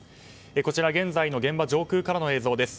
現在の現場上空からの映像です。